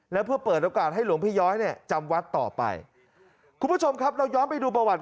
แล้วเพื่อเปิดโอกาสให้หลวงพี่ย้อยเนี่ยจำวัดต่อไปคุณผู้ชมครับเราย้อนไปดูประวัติ